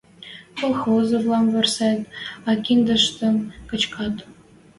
Колхозвлӓм вырсет, а киндӹштӹм качкат.